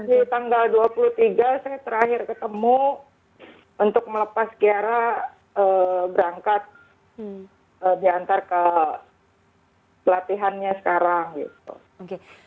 jadi tanggal dua puluh tiga saya terakhir ketemu untuk melepas kiara berangkat diantar ke pelatihannya sekarang